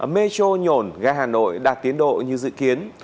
mê chô nhổn gai hà nội đạt tiến độ như dự kiến